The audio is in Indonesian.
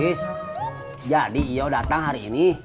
is jadi ia datang hari ini